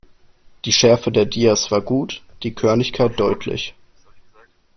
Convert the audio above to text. Die Schärfe der Dias war gut, die Körnigkeit deutlich.